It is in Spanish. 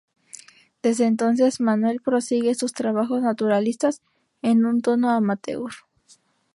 Desde entonces Manuel prosigue sus trabajos naturalistas en un tono amateur.